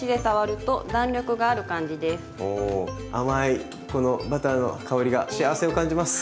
甘いこのバターの香りが幸せを感じます。